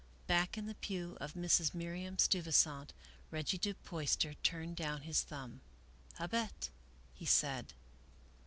Back in the pew of Mrs. Miriam Steuvisant, Reggie Du Puyster turned down his thumb. " Habetl" he said.